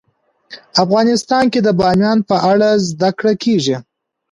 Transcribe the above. افغانستان کې د بامیان په اړه زده کړه کېږي.